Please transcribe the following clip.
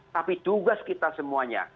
tapi tugas kita semuanya